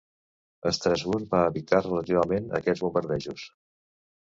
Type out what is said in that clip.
Estrasburg va evitar relativament aquests bombardejos.